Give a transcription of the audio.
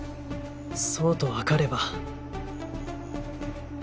そうとわかれば